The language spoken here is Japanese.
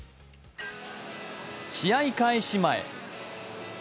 試合開始前。